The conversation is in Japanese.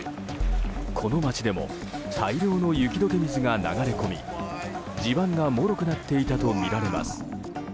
この街でも大量の雪解け水が流れ込み地盤がもろくなっていたとみられます。